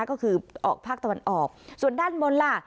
ก็คือออกภาคตะวันออกส่วนด้านบนล่ะ